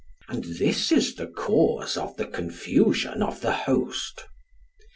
{116a} And this is the cause of the confusion of the host."